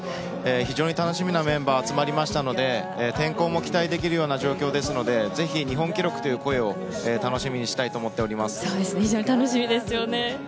非常に楽しみなメンバーが集まりましたので期待できる状況ですのでぜひ日本記録という声を非常に楽しみですよね。